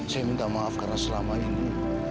saya minta maaf karena selama ini